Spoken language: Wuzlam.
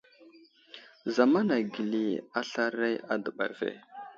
Zamana gəli aslaray a dəɓa ve.